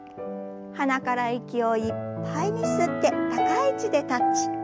鼻から息をいっぱいに吸って高い位置でタッチ。